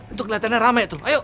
untuk latihannya ramai atuh ayo